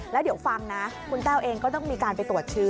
แล้วเดี๋ยวฟังนะคุณแต้วเองก็ต้องมีการไปตรวจเชื้อ